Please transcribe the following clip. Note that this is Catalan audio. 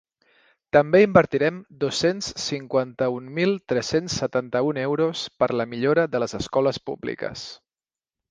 També invertirem dos-cents cinquanta-un mil tres-cents setanta-un euros per a la millora de les escoles públiques.